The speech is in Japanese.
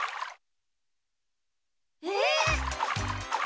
えっ！？